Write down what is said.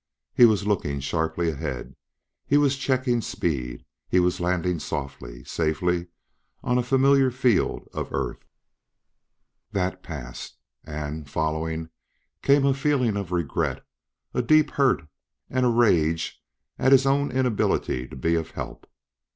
He was looking sharply ahead, he was checking speed, he was landing softly safely on a familiar field of Earth.... That passed; and, following, came a feeling of regret, a deep hurt and a rage at his own inability to be of help.